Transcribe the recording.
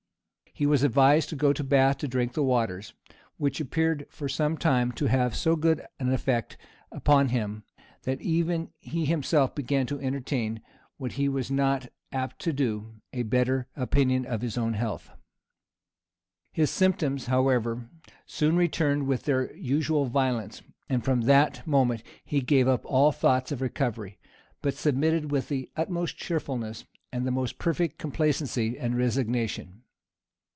He was advised to go to Bath to drink the waters, which appeared for some time to have so good an effect upon him, that even he himself began to entertain, what he was not apt to do, a better opinion of his own health. His symptoms, however, soon returned with their usual violence; and from that moment he gave up all thoughts of recovery, but submitted with the utmost cheerfulness, and the most perfect complacency and resignation.